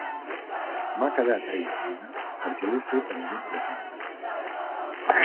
M'ha quedat aigualida perquè l'he fet amb llet desnatada